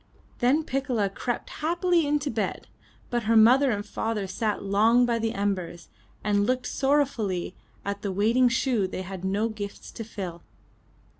Then Piccola crept happily into bed, but her mother and father sat long by the embers, and looked sorrow fully at the waiting shoe they had no gifts to fill.